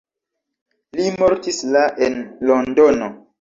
Li mortis la en Londono.